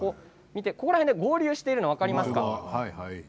ここら辺で合流しているの分かりますか。